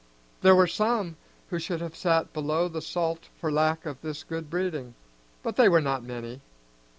There were some who should have sat below the salt for lack of this good breeding; but they were not many.